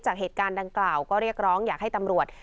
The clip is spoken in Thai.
จากเหตุการณ์ดังกล่าวก็เรียกร้องอยากให้ตำรวจ